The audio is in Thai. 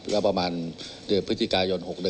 แล้วประมาณวันพฤทธิกายน๑๙๖๑